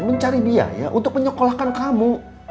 mencari biaya untuk menyekolahkan kamu